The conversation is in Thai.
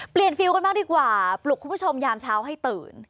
เปลี่ยนฟิวกันมากดีกว่าปลุกคุณผู้ชมยามเช้าให้ตื่น